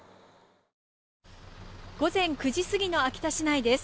午前９時過ぎの秋田市内です。